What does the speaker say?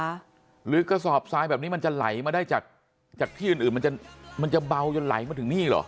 หรือกระสอบทรายแบบนี้มันจะไหลมาได้จากจากที่อื่นอื่นมันจะมันจะเบาจนไหลมาถึงนี่เหรอ